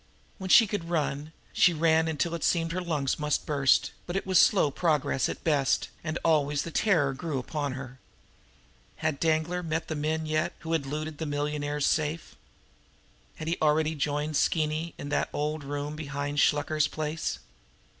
When she could run, she ran until it seemed her lungs must burst, but it was slow progress at best, and always the terror grew upon her. Had Danglar met the men yet who had looted the millionaire's safe? Had he already joined Skeeny in that old room behind Shluker's place?